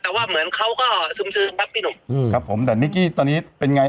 แต่ว่าเหมือนเขาก็ซึมครับพี่หนุ่มอืมครับผมแต่นิกกี้ตอนนี้เป็นไง